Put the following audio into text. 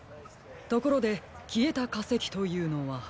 ところできえたかせきというのは？